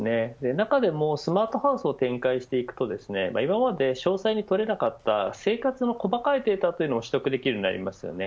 中でもスマートハウスを展開していくと今まで詳細に取れなかった生活の細かいデータというのを取得できるようになります。